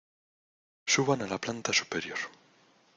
suban a la planta superior.